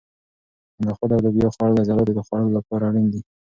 د نخودو او لوبیا خوړل د عضلاتو د جوړولو لپاره اړین دي.